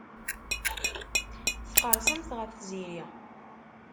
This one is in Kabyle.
Tqerrsemt ɣef Tiziri.